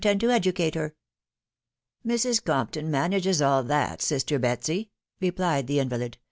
tend to educate her ?" "Mrs* Compton manages. all that, sister Betsy/' replied the invalid.